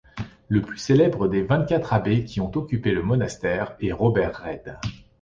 Le plus célèbre des vingt-quatre abbés qui ont occupé le monastère est Robert Reid.